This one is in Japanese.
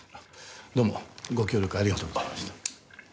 どうもご協力ありがとうございました。